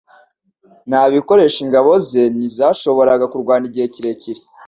Nta bikoresho ingabo ze ntizashoboraga kurwana igihe kirekire